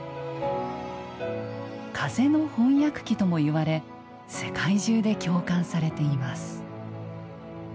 「風の翻訳機」ともいわれ世界中で共感されています。